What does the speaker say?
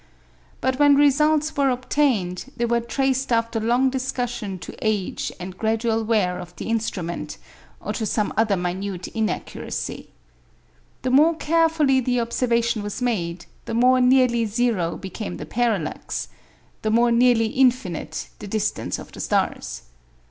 But when results were obtained, they were traced after long discussion to age and gradual wear of the instrument, or to some other minute inaccuracy. The more carefully the observation was made, the more nearly zero became the parallax the more nearly infinite the distance of the stars.